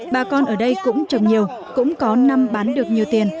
bà con ở đây cũng trồng nhiều cũng có năm bán được nhiều tiền